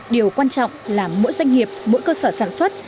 điều quan trọng là mỗi doanh nghiệp mỗi cơ sở sản xuất